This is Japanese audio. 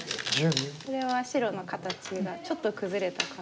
これは白の形がちょっと崩れたかなと。